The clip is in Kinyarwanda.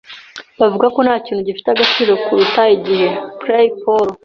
Bavuga ko ntakintu gifite agaciro kuruta igihe. (blay_paul)